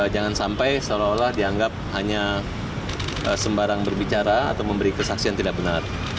jangan sampai seolah olah dianggap hanya sembarang berbicara atau memberi kesaksian tidak benar